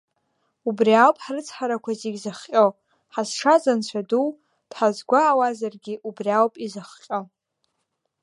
Убри ауп ҳрыцҳарақәа зегьы зыхҟьо, ҳазшаз Анцәа ду дҳазгәаауазаргьы убри ауп изыхҟьо.